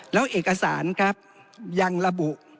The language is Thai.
แล้วเอกสารครับยังระบุ